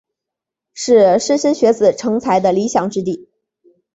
是莘莘学子成才的理想之地。